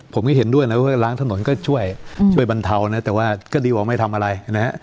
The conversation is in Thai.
ผมก็เห็นด้วยนะว่าล้างถนนก็ช่วยช่วยบรรเทานะแต่ว่าก็ดีกว่าไม่ทำอะไรนะฮะ